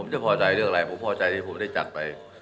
ผมจะพอใจเรื่องอะไรผมพอใจที่ผมได้จัดไป